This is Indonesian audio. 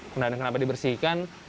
wah kenapa dibersihkan